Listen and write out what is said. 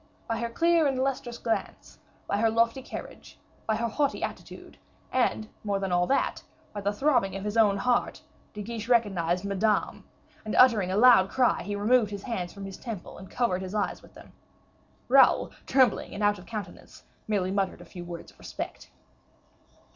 By her clear and lustrous glance, by her lofty carriage, by her haughty attitude, and, more than all that, by the throbbing of his own heart, De Guiche recognized Madame, and, uttering a loud cry, he removed his hands from his temple, and covered his eyes with them. Raoul, trembling and out of countenance, merely muttered a few words of respect.